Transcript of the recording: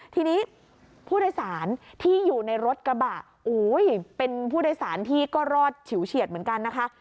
ทีนี้ผู้โดยสารที่อยู่ในรถกระบะเป็นผู้โดยสารที่ก็รอดฉิวเฉียดเหมือนกันนะคะ